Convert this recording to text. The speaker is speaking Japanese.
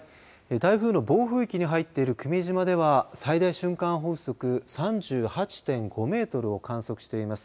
台風の暴風域に入っている久米島では最大瞬間風速３８．５メートルを観測しています。